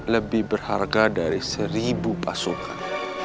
lebih berharga dari seribu pasukan